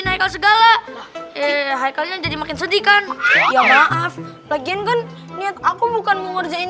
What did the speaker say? hai segala eh kalian jadi makin sedih kan ya maaf bagian kan aku bukan mau ngerjain